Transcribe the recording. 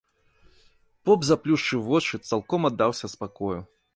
Поп заплюшчыў вочы, цалком аддаўся спакою.